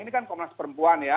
ini kan komnas perempuan ya